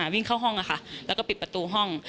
วิ่งเข้าห้องแล้วก็ปิดประตูห้อง